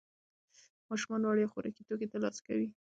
ماشومان وړیا خوراکي توکي ترلاسه کوي.